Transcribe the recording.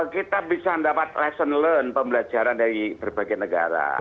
kita bisa mendapat lesson learned pembelajaran dari berbagai negara